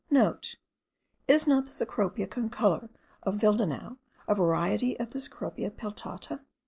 *(* Is not the Cecropia concolor of Willdenouw a variety of the Cecropia peltata?)